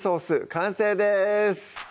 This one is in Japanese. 完成です